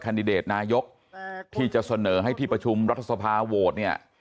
ดิเดตนายกที่จะเสนอให้ที่ประชุมรัฐสภาโหวตเนี่ย